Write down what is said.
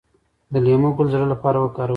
د لیمو ګل د زړه لپاره وکاروئ